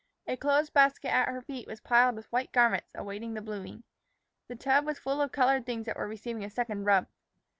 A clothes basket at her feet was piled with white garments awaiting the bluing. The tub was full of colored things that were receiving a second rub.